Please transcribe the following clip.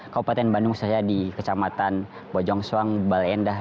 kawasan bandung di kecamatan bojongsuang baleendah